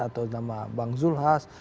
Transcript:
atau nama bang zulhas